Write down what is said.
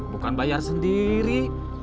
bukan bayar sendiri